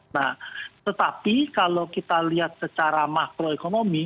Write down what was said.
nah tetapi kalau kita lihat secara makroekonomi